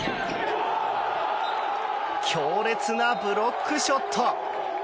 強烈なブロックショット！